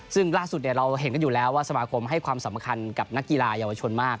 ซึ่งล่าสุดเราเห็นกันอยู่แล้วว่าสมาคมให้ความสำคัญกับนักกีฬาเยาวชนมาก